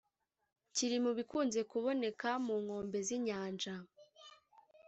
kiri mu bikunze kuboneka ku nkombe z’inyanja